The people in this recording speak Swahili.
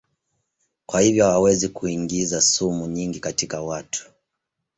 Kwa hivyo hawawezi kuingiza sumu nyingi katika watu.